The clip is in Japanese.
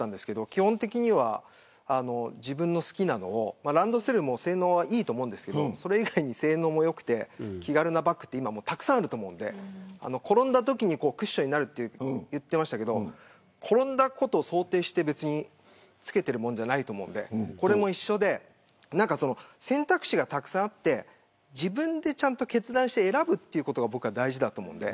基本的には自分の好きなのをランドセルも性能はいいと思うんですけれど、それ以外に性能が良くて気軽なバッグ今はたくさんあると思うので転んだときにクッションになると言っていましたけれど転んだことを想定してつけているものじゃないと思うので選択肢がたくさんあって自分でちゃんと決断して選ぶということが僕は大事だと思うので。